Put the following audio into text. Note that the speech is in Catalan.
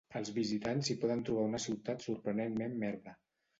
Els visitants hi poden trobar una ciutat sorprenentment verda.